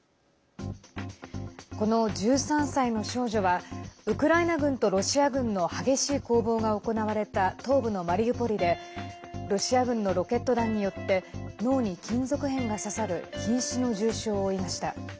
この１３歳の少女はウクライナ軍とロシア軍の激しい攻防が行われた東部のマリウポリでロシア軍のロケット弾によって脳に金属片が刺さるひん死の重傷を負いました。